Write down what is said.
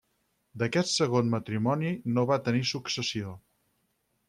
D'aquest segon matrimoni no va tenir successió.